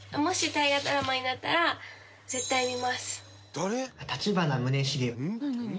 「誰？」